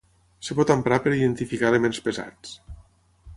Es pot emprar per identificar elements pesats.